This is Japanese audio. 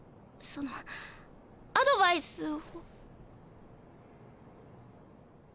そのアドバイスを。